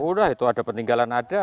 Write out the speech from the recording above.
udah itu ada peninggalan ada